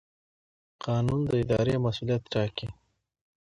قانون د ادارې مسوولیت ټاکي.